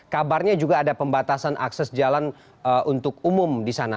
kabarnya juga ada pembatasan akses jalan untuk umum di sana